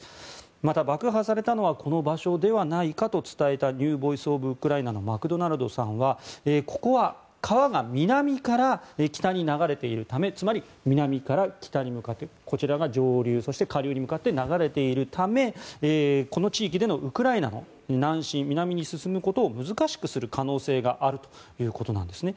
また、爆破されたのはこの場所ではないかと伝えたニュー・ボイス・オブ・ウクライナのマクドナルドさんはここは川が南から北に流れているためつまり、南から北に向かってこちらが上流でそして、下流に向かって流れているためこの地域でのウクライナの南進南に進むことを難しくする可能性があるということなんですね。